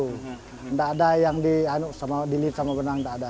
nggak ada yang dililit sama benang nggak ada